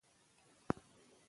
سرمایه د تولید فعالیتونه آسانوي.